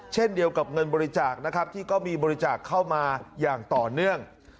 เช่นเดียวกับเงินบริจาคนะครับที่ก็มีบริจาคเข้ามาอย่างต่อเนื่อง